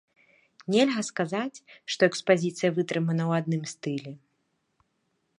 Нельга сказаць, што экспазіцыя вытрымана ў адным стылі.